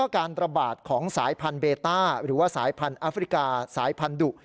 การระบาดของสายพันธุเบต้าหรือว่าสายพันธุ์แอฟริกาสายพันธุ